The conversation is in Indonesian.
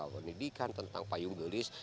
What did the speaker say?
pendidikan tentang payung gelis